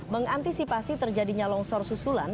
mengantisipasi terjadinya longsor susulan